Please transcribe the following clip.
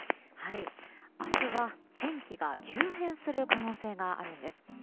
明日は天気が急変する可能性があるんです。